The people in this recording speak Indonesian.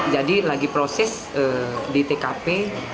jadi lagi proses di tkp